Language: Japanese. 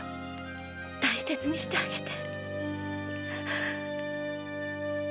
大切にしてあげて。